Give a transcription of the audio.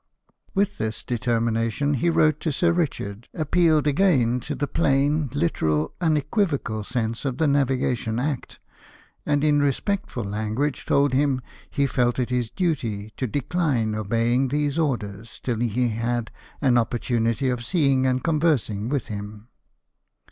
With this determination he wrote to Sir Eichard, appealed again to the plain, literal, unequivocal sense of the Navigation Act ; and in respectful language told him he felt it his duty to decline obeying these orders till he had an opportunity of seeing and conversing with him.